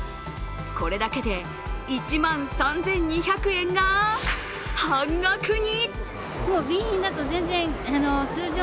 これだけで１万３２００円が、半額に。